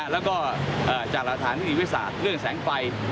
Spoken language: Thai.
แล้วก็จากหลักฐานนิติวิทยาศาสตร์เรื่องแสงไฟ